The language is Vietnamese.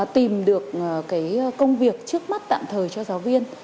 tìm được cái công việc trước mắt tạm thời cho giáo viên